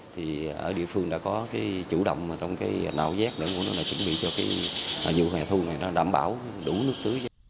thì ở địa phương đã có chủ động trong nạo giác để muốn nói là chuẩn bị cho vụ hè thu này đảm bảo đủ nước tứ